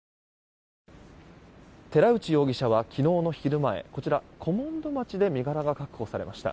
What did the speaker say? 寺内容疑者は昨日の昼前こちら、古門戸町で身柄が確保されました。